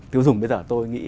tiêu dụng bây giờ tôi nghĩ